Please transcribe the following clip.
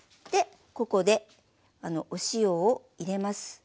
ここでお塩を入れます。